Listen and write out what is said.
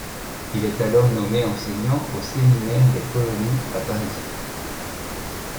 Il est alors nommé enseignant au Séminaire des Colonies à Paris.